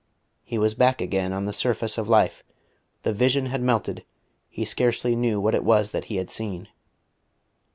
He was back again on the surface of life; the vision had melted; he scarcely knew what it was that he had seen.